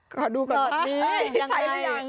กอดูก่อนเอ๊ะใช้มันยัง